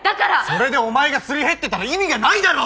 それでお前がすり減ってたら意味ないだろ！